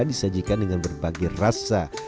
disajikan dengan berbagai rasa